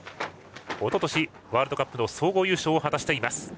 おととし、ワールドカップの総合優勝を果たしています。